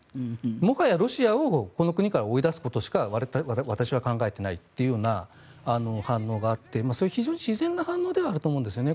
もはやロシアをこの国から追い出すことしか私は考えていないというような反応があってそういう非常に自然な反応ではあると思うんですね。